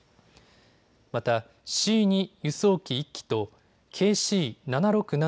またＣ２輸送機１機とＫＣ７６７